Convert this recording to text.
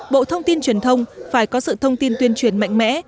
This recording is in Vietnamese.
bộ thông tin truyền thông phải có sự thông tin tuyên truyền mạnh mẽ